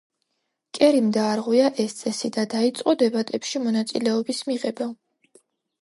კერიმ დაარღვია ეს წესი და დაიწყო დებატებში მონაწილეობის მიღება.